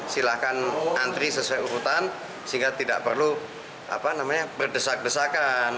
silahkan antri sesuai urutan sehingga tidak perlu berdesak desakan